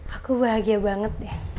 aku bahagia banget deh